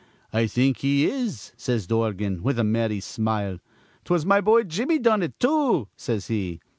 'I think he is,' says Dorgan, with a merry smile. 'Twas my boy Jimmy done it, too,' says he.